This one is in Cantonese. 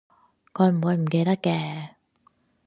佢唔會唔記得嘅